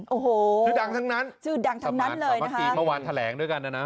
โอ้โฮชื่อดังทั้งนั้นสมัครสมศตรีเมื่อวานแถลงด้วยกันนะนะครับ